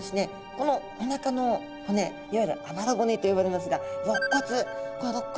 このおなかの骨いわゆるあばら骨と呼ばれますがろっ骨このろっ骨が短いんです。